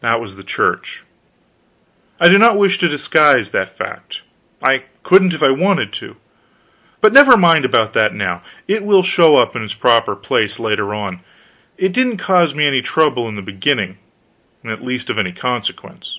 That was the Church. I do not wish to disguise that fact. I couldn't, if I wanted to. But never mind about that, now; it will show up, in its proper place, later on. It didn't cause me any trouble in the beginning at least any of consequence.